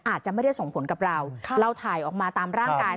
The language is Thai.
อาจจะไม่ได้ส่งผลกับเราเราถ่ายออกมาตามร่างกาย